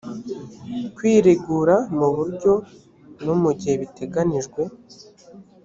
kwiregura mu buryo no mu gihe biteganijwe